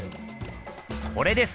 これです！